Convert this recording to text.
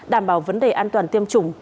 đảm bảo vấn đề an toàn tiêm chủng